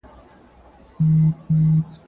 هغه پرون تر کوڅې پوري راغلی.